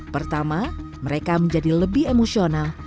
pertama mereka menjadi lebih emosional